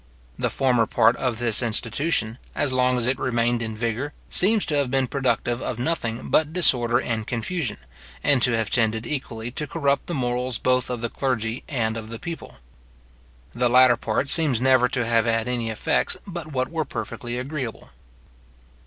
The former part of this institution, as long as it remained in vigour, seems to have been productive of nothing but disorder and confusion, and to have tended equally to corrupt the morals both of the clergy and of the people. The latter part seems never to have had any effects but what were perfectly agreeable.